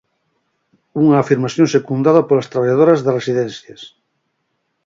Unha afirmación secundada polas traballadoras das residencias.